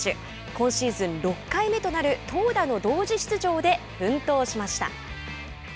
今シーズン６回目となる投打の同時出場で奮闘しました。